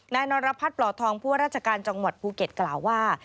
นายนรพัฒน์ปลอดทองผู้ว่าราชการจังหวัดภูเก็ตกล่าวว่า